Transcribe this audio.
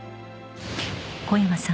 ［小山さん］